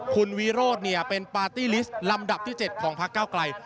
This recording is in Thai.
คุณวิโรธเป็นปาร์ตี้ลิสต์ลำดับที่๗ของพักเก้าไกล